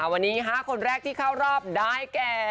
วันนี้๕คนแรกที่เข้ารอบได้แก่